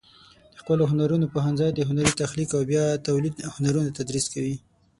د ښکلو هنرونو پوهنځی د هنري تخلیق او بیا تولید هنرونه تدریس کوي.